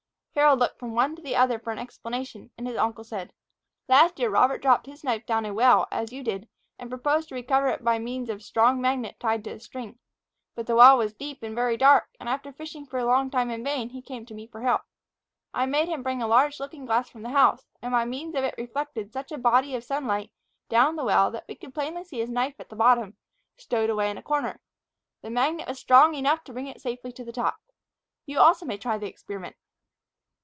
Harold looked from one to the other for an explanation, and his uncle said: "Last year Robert dropped his knife down a well, as you did, and proposed to recover it by means of a strong magnet tied to a string. But the well was deep and very dark, and after fishing a long time in vain, he came to me for help. I made him bring a large looking glass from the house, and by means of it reflected such a body of sun light down the well that we could plainly see his knife at the bottom, stowed away in a corner. The magnet was strong enough to bring it safely to the top. You also may try the experiment."